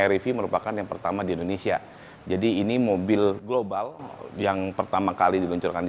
rev merupakan yang pertama di indonesia jadi ini mobil global yang pertama kali diluncurkan di